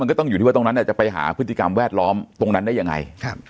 ก็ต้องอยู่ที่ว่าตรงนั้นจะไปหาพฤติกรรมแวดล้อมตรงนั้นได้ยังไง